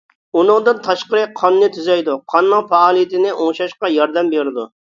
ئۇنىڭدىن تاشقىرى قاننى تۈزەيدۇ، قاننىڭ پائالىيىتىنى ئوڭشاشقا ياردەم بېرىدۇ.